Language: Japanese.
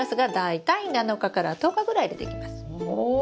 お！